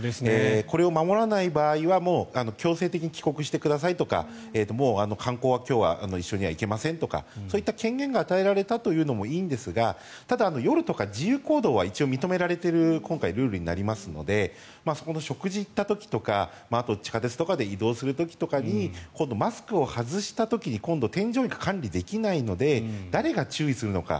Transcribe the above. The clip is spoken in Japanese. これを守らない場合は強制的に帰国してくださいとか観光は今日は一緒に行けませんとかそういった権限が与えられたというのもいいんですがただ、夜とか自由行動は一応、認められているルールになりますのでそこの食事に行った時とか地下鉄に行った時とか移動する時とかにマスクを外した時に添乗員が管理できないので誰が注意するのか。